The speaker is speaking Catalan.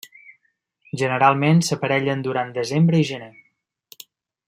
Generalment s'aparellen durant desembre i gener.